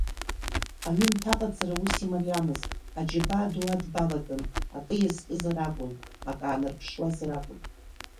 Аҩымҭа аҟаҵара ус имариамызт, аџьабаа ду адбалатәын, акы иазкызар акәын, акы аанарԥшуазар акәын…